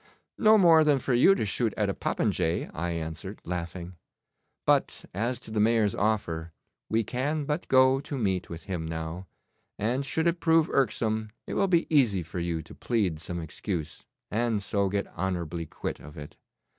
'No more than for you to shoot at a popinjay,' I answered, laughing; 'but as to the Mayor's offer, we can but go to meat with him now, and should it prove irksome it will be easy for you to plead some excuse, and so get honourably quit of it.